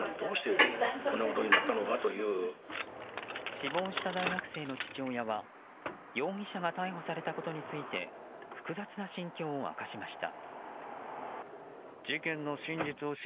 死亡した大学生の父親は容疑者が逮捕されたことについて複雑な心境を明かしました。